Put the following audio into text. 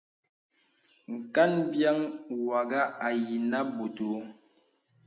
Kan mvìəŋ wàghà ayìnə bɔ̄t ōō.